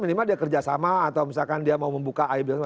minimal dia kerjasama atau misalkan dia mau membuka ibl